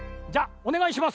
おねがいします。